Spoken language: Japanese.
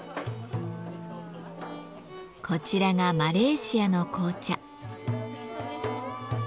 こちらがマレーシアの紅茶。